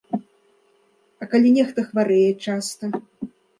А калі нехта хварэе часта?